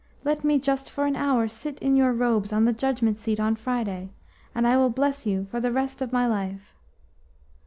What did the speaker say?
Let me just for an hour sit in your robes on the judgment seat on Friday, and I will bless you for the rest of my life."